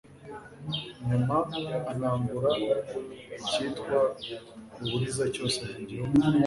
Nyuma anangura icyitwa uburiza cyose mu gihugu